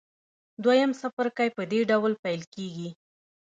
دویم څپرکی په دې ډول پیل کیږي.